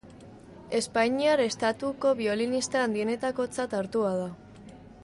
Espainiar estatuko biolinista handienetakotzat hartua da.